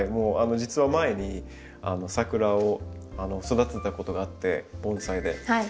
実は前にサクラを育てたことがあって盆栽で。